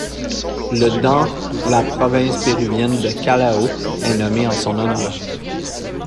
Le dans la province péruvienne de Callao est nommé en son honneur.